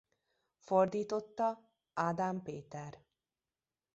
Fordította Ádám Péter.